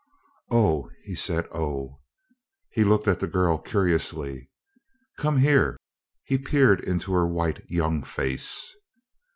"Oh," he said, "oh " He looked at the girl curiously. "Come here." He peered into her white young face.